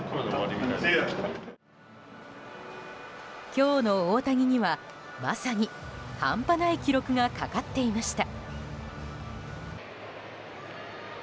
今日の大谷にはまさに半端ない記録がかかっていました。